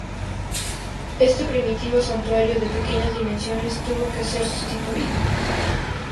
Este primitivo santuario, de pequeñas dimensiones, tuvo que ser sustituido.